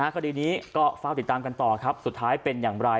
คดีนี้ก็เฝ้าติดตามกันต่อครับสุดท้ายเป็นอย่างไร